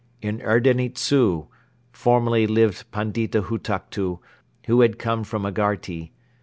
... In Erdeni Dzu formerly lived Pandita Hutuktu, who had come from Agharti.